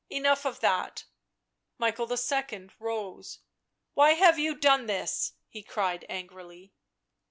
" Enough of that." Michael II. rose. " Why have you done this?" he cried angrily.